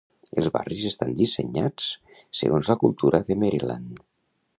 Els barris estan dissenyats segons la cultura de Maryland.